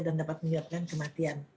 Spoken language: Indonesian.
dan dapat menyebabkan kematian